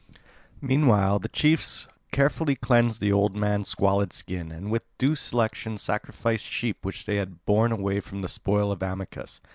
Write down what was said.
Meanwhile the chiefs carefully cleansed the old man's squalid skin and with due selection sacrificed sheep which they had borne away from the spoil of Amycus.